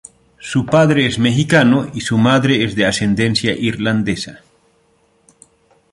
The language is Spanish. Su padre es mexicano y su madre es de ascendencia irlandesa.